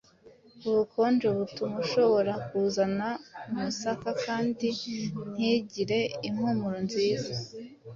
Ubukonje butuma ishobora kuzana umusaka kandi ntigire impumuro nziza.